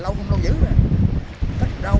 lâu không lâu dữ cách đâu